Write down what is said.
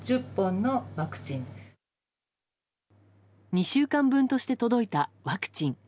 ２週間分として届いたワクチン。